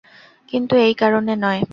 কিন্তু এই কারণে নয়।